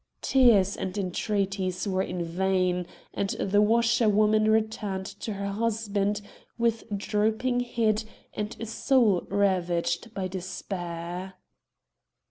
Tears and entreaties were in vain ; and the washerwoman returned to her husband with drooping head and a soul ravaged by despair.